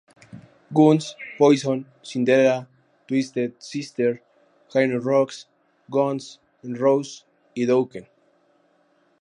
Guns, Poison, Cinderella, Twisted Sister, Hanoi Rocks, Guns N' Roses y Dokken.